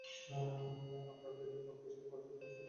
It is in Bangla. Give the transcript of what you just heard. আমরা বেলুড় রামকৃষ্ণ মঠের পোস্তার নিকট নৌকা লাগাইয়াছি।